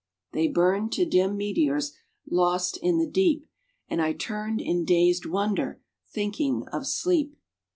They burned to dim meteors, lost in the deep. And I turned in dazed wonder, thinking of sleep.